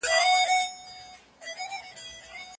تر هغه چې ښوونیز نظام فعال وي، بې سوادي به پراخه نه شي.